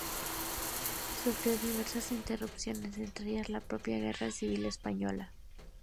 Sufrió diversas interrupciones, entre ellas la propia guerra civil española.